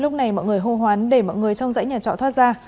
lúc này mọi người hô hoán để mọi người trong dãy nhà trọ thoát ra